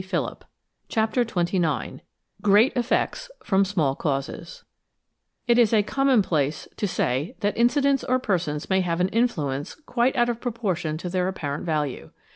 825 CHAPTER XXIX GREAT EFFECTS FROM SMALL CAUSES IT is a commonplace to say that incidents or persons may have an influence quite out of proportion to their apparent value.